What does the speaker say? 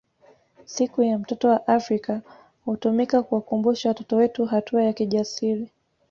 Siku ya mtoto wa Afrika hutumika kuwakumbusha watoto wetu hatua ya kijasiri